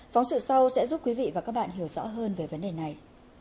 phóng sự sau sẽ giúp quý vị và các bạn hiểu rõ hơn về vấn đề này